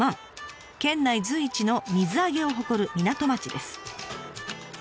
県内随一の水揚げを誇る港町です。